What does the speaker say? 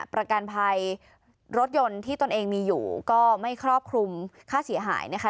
ประกันภัยรถยนต์ที่ตนเองมีอยู่ก็ไม่ครอบคลุมค่าเสียหายนะคะ